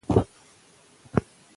ماشوم تر اوسه په خپله ژبه لوستل کړي دي.